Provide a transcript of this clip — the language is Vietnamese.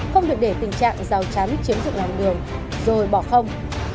không được để tình trạng rào chắn chiếm dụng làng đường rồi bỏ không